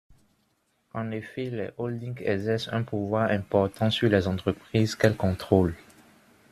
En effet, les holdings exercent un pouvoir important sur les entreprises qu’elles contrôlent.